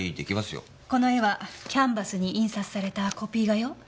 この絵はキャンバスに印刷されたコピー画よ。